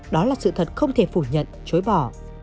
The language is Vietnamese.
đó là sự thật không thể phủ nhận chối bỏ